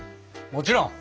もちろん！